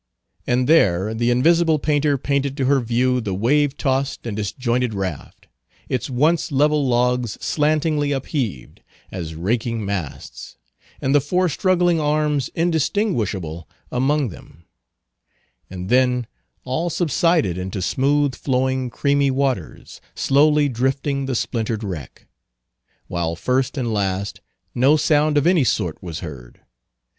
And there, the invisible painter painted to her view the wave tossed and disjointed raft, its once level logs slantingly upheaved, as raking masts, and the four struggling arms indistinguishable among them; and then all subsided into smooth flowing creamy waters, slowly drifting the splintered wreck; while first and last, no sound of any sort was heard.